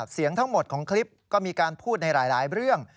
เสียงทั้งหมดของคลิปก็มีการพูดในหลายเรื่อง